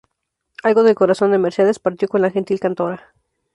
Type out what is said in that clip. Algo del corazón de Mercedes partió con la gentil cantora.